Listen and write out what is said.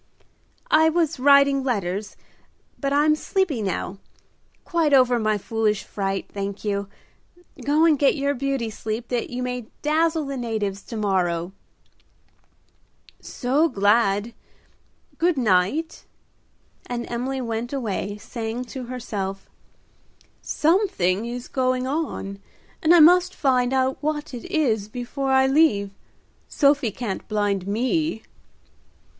"I was writing letters, but I'm sleepy now. Quite over my foolish fright, thank you. Go and get your beauty sleep that you may dazzle the natives to morrow." "So glad, good night;" and Emily went away, saying to herself, "Something is going on, and I must find out what it is before I leave. Sophie can't blind me."